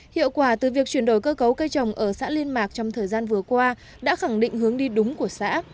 hiệu quả từ việc chuyển đổi cơ cấu cây trồng ở xã liên mạc trong thời gian vừa qua đã khẳng định hướng đi đúng của xã